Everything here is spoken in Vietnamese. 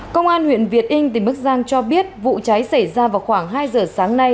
công an huyện việt yên tỉnh bắc giang cho biết vụ cháy xảy ra vào khoảng hai giờ sáng nay